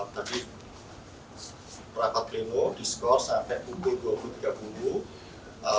tadi rapat pleno diskon sampai pukul dua puluh tiga puluh